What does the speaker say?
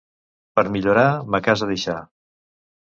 Per millorar, ma casa deixar.